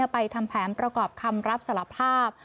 ไปทำแผนประกอบคำรับสารภาพ